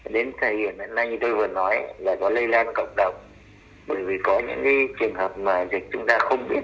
điều này khiến nhiều người dân phấn khởi